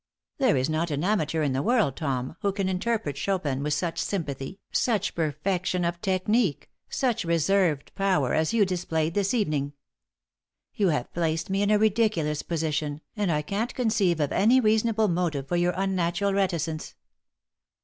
There is not an amateur in the world, Tom, who can interpret Chopin with such sympathy, such perfection of technique, such reserved power as you displayed this evening. You have placed me in a ridiculous position, and I can't conceive of any reasonable motive for your unnatural reticence.